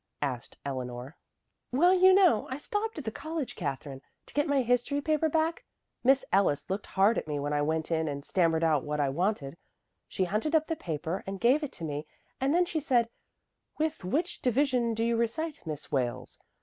asked Eleanor. "Well, you know I stopped at the college, Katherine, to get my history paper back. Miss Ellis looked hard at me when I went in and stammered out what I wanted. She hunted up the paper and gave it to me and then she said, 'With which division do you recite, Miss Wales?'